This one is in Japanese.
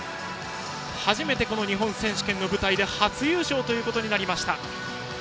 初めての日本選手権の舞台で初優勝となりました。